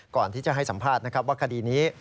ก่อนที่จะให้สัมภาษณ์นะครับว่าคดีนี้